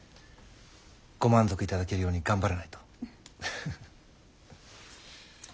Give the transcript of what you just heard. ご満足いただけるように頑張らないと。